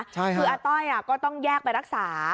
คืออาต้อยก็ต้องแยกไปรักษา